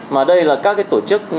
mà đây là các cái tổ chức